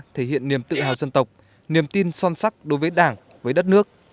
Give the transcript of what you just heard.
thể hiện niềm tự hào dân tộc niềm tin son sắc đối với đảng với đất nước